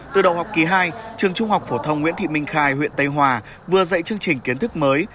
từ đầu học kỳ hai trường trung học phổ thông nguyễn thị minh khai huyện tây hòa vừa dạy chương trình kiến thức mới